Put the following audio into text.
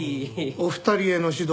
お二人への指導